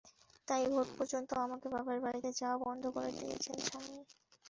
তাই ভোট পর্যন্ত আমাকে বাপের বাড়িতে যাওয়া বন্ধ করে দিয়েছেন স্বামী।